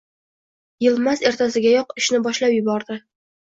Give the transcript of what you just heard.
Yilmaz ertasigayoq ishni boshlab yubordi.